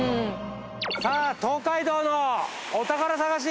さぁ東海道のお宝探し。